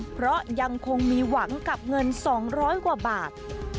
เพราะยังคงมีหวังกับเงิน๒๐๐กว่าบาท